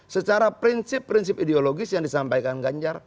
secara prinsip prinsip ideologis yang disampaikan ganjar